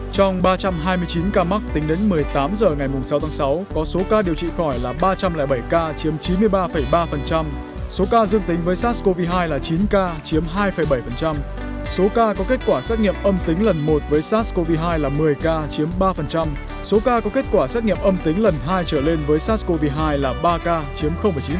trong ba trăm hai mươi chín ca mắc tính đến một mươi tám h ngày sáu tháng sáu có số ca điều trị khỏi là ba trăm linh bảy ca chiếm chín mươi ba ba số ca dương tính với sars cov hai là chín ca chiếm hai bảy số ca có kết quả xét nghiệm âm tính lần một với sars cov hai là một mươi ca chiếm ba số ca có kết quả xét nghiệm âm tính lần hai trở lên với sars cov hai là ba ca chiếm chín